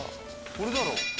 これだろ。